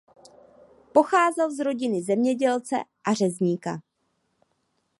Pocházel z rodiny zemědělce a řezníka.